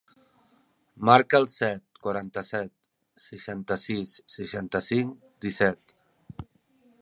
Marca el set, quaranta-set, seixanta-sis, seixanta-cinc, disset.